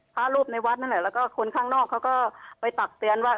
พระรูปในวัดนั่นแหละแล้วก็คนข้างนอกเขาก็ไปตักเตือนว่า